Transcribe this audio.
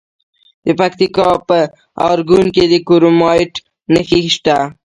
د پکتیکا په ارګون کې د کرومایټ نښې شته.